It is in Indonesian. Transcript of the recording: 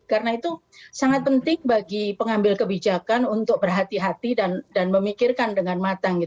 karena itu sangat penting bagi pengambil kebijakan untuk berhati hati dan memikirkan dengan matang